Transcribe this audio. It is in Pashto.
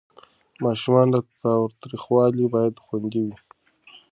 ماشومان له تاوتریخوالي باید خوندي وي.